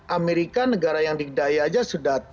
amerika negara yang dikdaya aja sudah